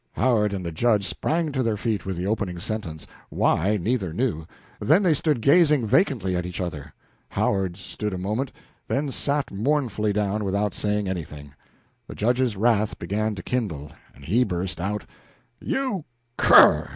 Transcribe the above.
Howard and the Judge sprang to their feet with the opening sentence why, neither knew; then they stood gazing vacantly at each other. Howard stood a moment, then sat mournfully down without saying anything. The Judge's wrath began to kindle, and he burst out "You cur!